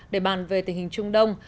để bàn về tình hình trung đông